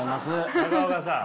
中岡さん。